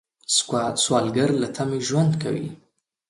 سوالګر له تمې ژوند کوي